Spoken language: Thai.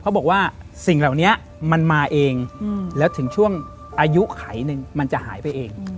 เขาบอกว่าสิ่งเหล่านี้มันมาเองแล้วถึงช่วงอายุไขหนึ่งมันจะหายไปเอง